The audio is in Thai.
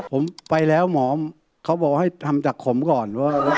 ผมไปแล้วหมอเขาบอกให้ทำจากขมก่อน